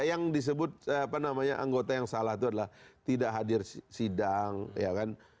yang disebut apa namanya anggota yang salah itu adalah tidak hadir sidang ya kan